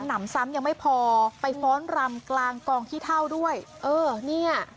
นำซ้ำยังไม่พอไปฟ้อนรำกลางกองขี้เท่าด้วยเออเนี่ย